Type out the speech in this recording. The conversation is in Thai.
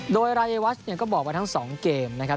โดยรายวัชเนี่ยก็บอกว่าทั้ง๒เกมนะครับ